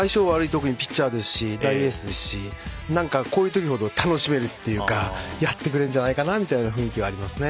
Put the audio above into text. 特にピッチャーですし大エースですしこういうときこそ楽しめるというかやってくれるんじゃないかなという雰囲気はありますね。